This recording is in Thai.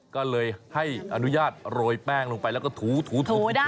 ก็เลยให้อนุญาตโรยแป้งลงไปแล้วก็ถูสูสูสูสูได้ใช่ไหม